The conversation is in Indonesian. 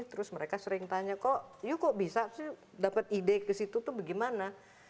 terus mereka sering tanya kok yuk kok bisa sih dapat ide ke situ tuh bagaimana